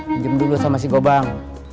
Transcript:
pinjam dulu sama si gobang